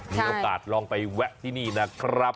มีโอกาสลองไปแวะที่นี่นะครับ